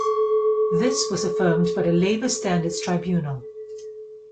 This was affirmed by the Labour Standards Tribunal.